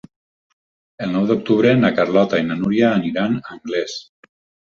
El nou d'octubre na Carlota i na Núria aniran a Anglès.